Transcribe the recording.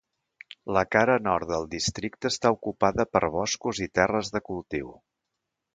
La cara nord del districte està ocupada per boscos i terres de cultiu.